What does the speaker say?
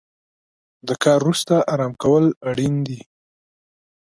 د کار وروسته ارام کول اړین دي.